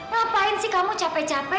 ngapain sih kamu capek capek